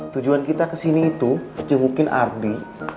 tujuan kita kesini itu jemukin ardi